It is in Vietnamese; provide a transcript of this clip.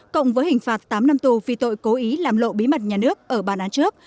cộng với hình phạt tám năm tù vì tội cố ý làm lộ bí mật nhà nước ở bàn án trước